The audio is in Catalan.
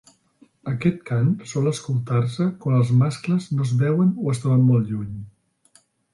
Aquest cant sol escoltar-se quan els mascles no es veuen o es troben molt lluny.